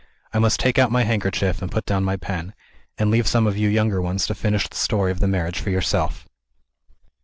I must take out my handkerchief, and put down my pen and leave some of you younger ones to finish the story of the marriage for yourself.